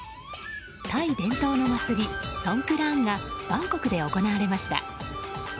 タイ伝統の祭り、ソンクラーンがバンコクで行われました。